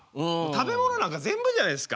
食べ物なんか全部じゃないっすか。